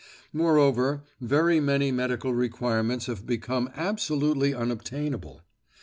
Moreover, very many medical requirements have become absolutely unobtainable.